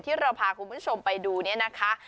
ที่เราพาคุณผู้ชมไปดูเนี่ยนะคะ